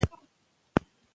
ویښتې خلاص پریښودل خرابوي.